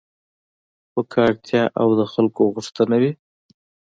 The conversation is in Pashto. خو که اړتیا او د خلکو غوښتنه وي